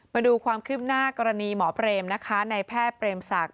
มาดูความคืบหน้ากรณีหมอเปรมนะคะในแพทย์เปรมศักดิ